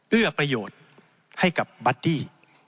เอื้อประโยชน์ให้กับบัดดี้